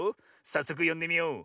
さっそくよんでみよう。